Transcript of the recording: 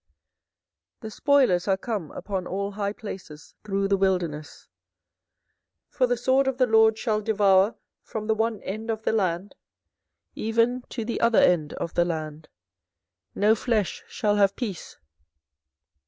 24:012:012 The spoilers are come upon all high places through the wilderness: for the sword of the LORD shall devour from the one end of the land even to the other end of the land: no flesh shall have peace.